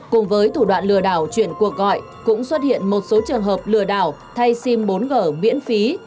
cùng với thủ đoạn lừa đảo chuyển cuộc gọi cũng xuất hiện một số trường hợp lừa đảo thay sim bốn g miễn phí